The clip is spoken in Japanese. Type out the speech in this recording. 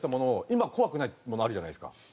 今怖くないものあるじゃないですか。